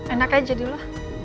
enak aja dulu